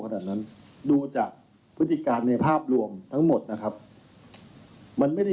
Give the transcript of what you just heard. ขนาดนั้นดูจากพฤติการในภาพรวมทั้งหมดนะครับมันไม่ได้